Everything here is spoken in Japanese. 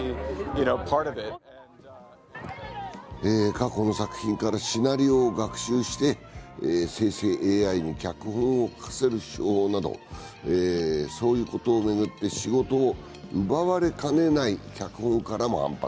過去の作品からシナリオを学習して生成ＡＩに脚本を書かせる手法などそういうことを巡って仕事を奪われかねない脚本家らも反発。